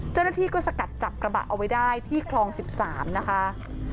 เจ้าหน้าที่ก็สกัดจับกระบะเอาไว้ได้ที่คลอง๑๓นะคะ